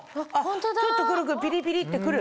ちょっと来る来るピリピリって来る。